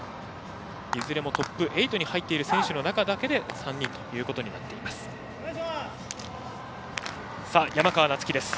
いずれもトップ８に入っている選手の中だけで３人ということになっています。